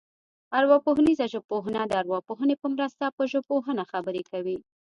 ارواپوهنیزه ژبپوهنه د ارواپوهنې په مرسته پر ژبپوهنه خبرې کوي